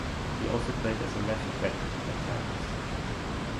He also played as a left-back at times.